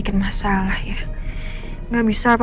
kita sudah selesai yang ini yaan ya